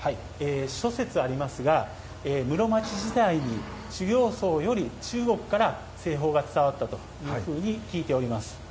諸説ありますが室町時代に修行僧より中国から製法が伝わったというふうに聞いております。